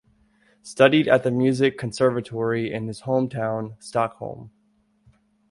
Studied at the music conservatory in his hometown, Stockholm.